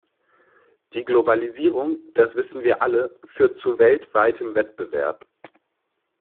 Die Globalisierung, das wissen wir alle, führt zu weltweitem Wettbewerb.